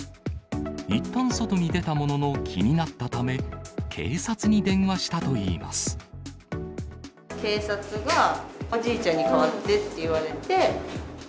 いったん外に出たものの、気になったため、警察が、おじいちゃんに代わってって言われて。